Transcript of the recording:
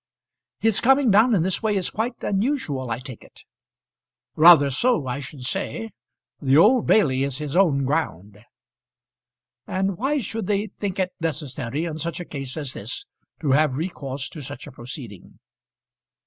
"His coming down in this way is quite unusual, I take it." "Rather so, I should say. The Old Bailey is his own ground." "And why should they think it necessary in such a case as this to have recourse to such a proceeding?"